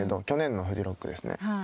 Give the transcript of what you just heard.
去年のフジロックですね。